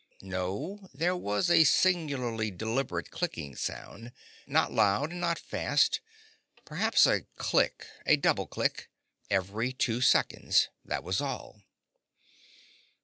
—No. There was a singularly deliberate clicking sound, not loud and not fast. Perhaps a click—a double click—every two seconds. That was all.